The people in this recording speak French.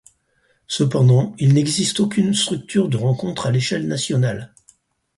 Cependant, il n'existe aucune structure de rencontre à l'échelle nationale.